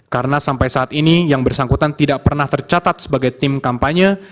karena sampai saat ini yang bersangkutan tidak pernah tercatat sebagai tim kampanye